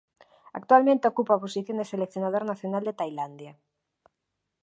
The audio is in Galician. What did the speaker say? Actualmente ocupa a posición de seleccionador nacional de Tailandia.